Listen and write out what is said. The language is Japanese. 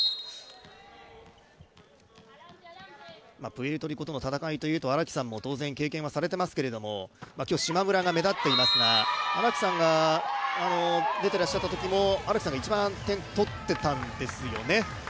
プエルトリコとの戦いというと当然荒木さんも経験はされていますけれども、今日、島村が目立っていますが、荒木さんが出てらっしゃったときも荒木さんが一番、点を取っていたんですよね